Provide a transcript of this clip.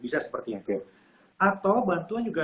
bisa seperti itu atau bantuan juga